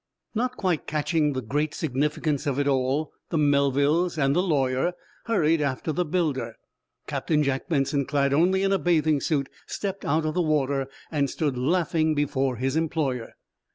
Not quite catching the great significance of it all, the Melvilles and the lawyer hurried after the builder. Captain Jack Benson, clad only in a bathing suit, stepped out of the water and stood laughing before his employer.